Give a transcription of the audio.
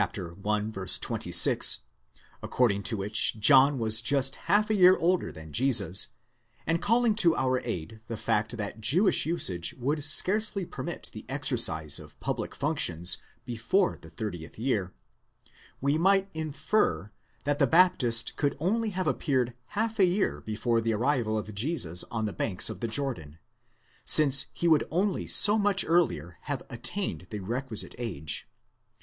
26, according to which John was just half a year older than Jesus, and calling to our aid the fact that Jewish usage would scarcely permit the exercise of public functions before the thirtieth year, we might infer that the Baptist could only have appeared half a year before the arrival of Jesus on the banks of the Jordan, since he would only so much earlier have attained the requisite age.